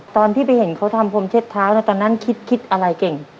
ตอนที่ไปเห็นเขาทำพรมเช็ดเท้าตอนนั้นคิดอะไรเก่ง